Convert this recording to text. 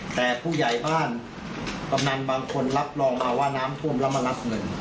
แต่ผู้ใหญ่บ้านกำนันบางคนรับรองมาว่าน้ำท่วมแล้วมารับเงิน